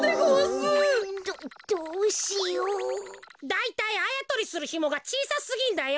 だいたいあやとりするひもがちいさすぎんだよ。